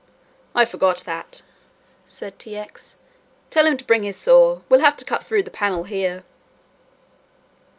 "I forgot that," said T. X. "Tell him to bring his saw, we'll have to cut through the panel here."